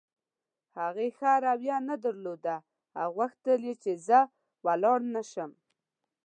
هغې ښه رویه نه درلوده او غوښتل یې چې زه ولاړ نه شم.